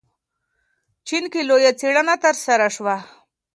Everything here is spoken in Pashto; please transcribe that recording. چین کې لویه څېړنه ترسره شوه.